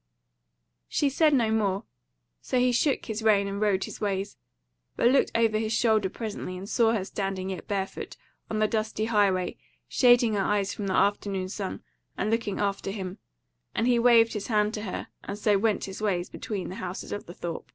She said no more; so he shook his rein and rode his ways; but looked over his shoulder presently and saw her standing yet barefoot on the dusty highway shading her eyes from the afternoon sun and looking after him, and he waved his hand to her and so went his ways between the houses of the Thorp.